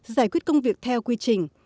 giải quyết công việc theo quy trình